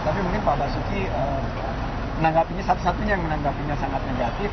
tapi mungkin pak basuki menanggapinya satu satunya yang menanggapinya sangat negatif